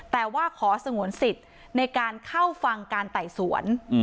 แต่ว่าขอสงวนสิทธิ์ในการเข้าฟังการไต่สวน